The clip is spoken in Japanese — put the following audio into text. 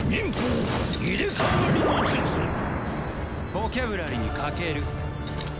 ボキャブラリーに欠ける。